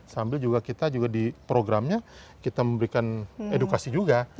sambil juga kita juga di programnya kita memberikan edukasi juga